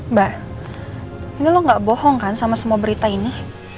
mbak ini lo gak bohong kan sama semua berita ini